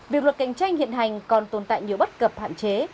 việc luật cạnh tranh hiện hành còn tồn tại nhiều bất cập hạn chế